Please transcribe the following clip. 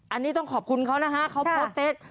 อันนี้ต้องขอบคุณเขานะฮะเขาโพสต์เฟส